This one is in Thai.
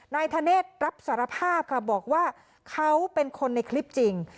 นายธเนธรับสารภาพค่ะบอกว่าเขาเป็นคนในคลิปจริง